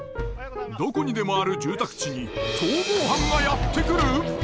どこにでもある住宅地に逃亡犯がやって来る！？